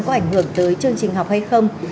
có ảnh hưởng tới chương trình học hay không